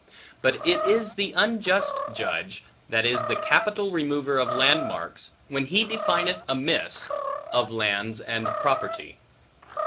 But it is the unjust judge, that is the capital remover of landmarks, when he defineth amiss, of lands and property.